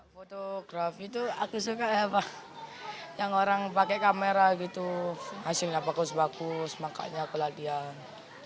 fotografi itu aku suka yang orang pakai kamera gitu hasilnya bagus bagus makanya keladian